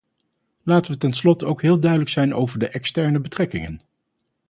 Laten we ten slotte ook heel duidelijk zijn over de externe betrekkingen.